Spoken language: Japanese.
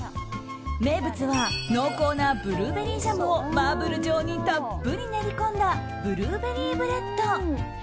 名物は濃厚なブルーベリージャムをマーブル状にたっぷり練り込んだブルーベリーブレッド。